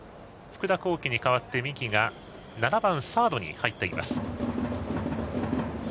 福田光輝に代わって三木が７番サードに入っています。